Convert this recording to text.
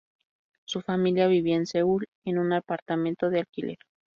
Su familia vivía en Seúl, en un apartamento de alquiler.